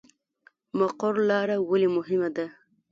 مقر لاره ولې مهمه ده؟